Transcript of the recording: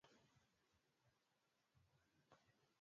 yake hiyo ndiyo sababu wanyamajio wa bonde